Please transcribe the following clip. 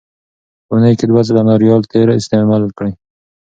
په اونۍ کې دوه ځله ناریال تېل استعمال کړئ.